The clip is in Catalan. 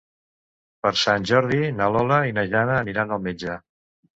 Per Sant Jordi na Lola i na Jana aniran al metge.